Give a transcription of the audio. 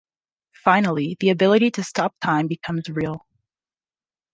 Finally the ability to stop time becomes real.